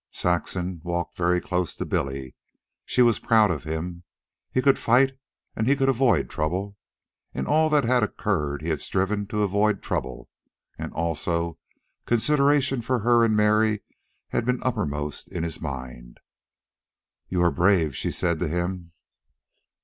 Saxon walked very close to Billy. She was proud of him. He could fight, and he could avoid trouble. In all that had occurred he had striven to avoid trouble. And, also, consideration for her and Mary had been uppermost in his mind. "You are brave," she said to him.